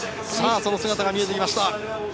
その姿が見えてきました。